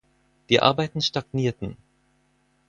Die Arbeiten stagnierten.